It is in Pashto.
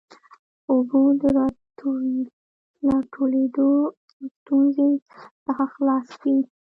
اوبو د راټولېدو له ستونزې څخه خلاص سي.